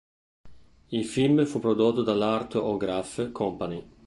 Il film fu prodotto dall'Art-O-Graf Company.